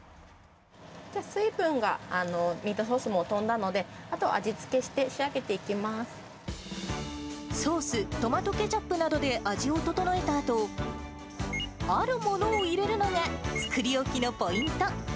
水分がミートソースも飛んだので、あと味付けして仕上げていソース、トマトケチャップなどで味を調えたあと、あるものをいれるのが、作り置きのポイント。